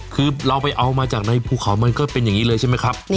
คือเราไปเอามาจากในภูเขามันก็เป็นอย่างนี้เลยใช่ไหมครับ